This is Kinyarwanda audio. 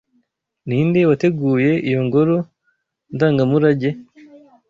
Ninde wateguye iyo ngoro ndangamurage?